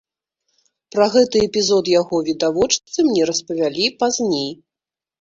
Пра гэты эпізод яго відавочцы мне распавялі пазней.